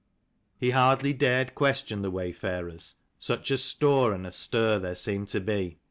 He hardly dared question the wayfarers, such a stoore and a stir there seemed to be.